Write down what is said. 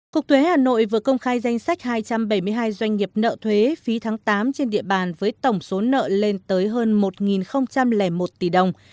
cục thuế hà nội vừa công khai danh sách hai trăm bảy mươi hai doanh nghiệp nợ thuế phí tháng tám trên địa bàn với tổng số nợ lên tới hơn một một tỷ đồng